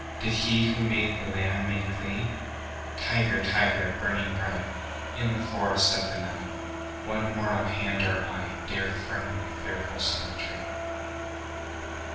Did He who made the lamb make thee? 20 Tiger, tiger, burning bright In the forests of the night, What immortal hand or eye Dare frame thy fearful symmetry?